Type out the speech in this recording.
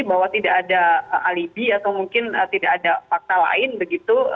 bahwa tidak ada alibi atau mungkin tidak ada fakta lain begitu